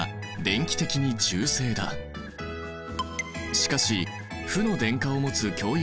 しかし負の電荷を持つ共有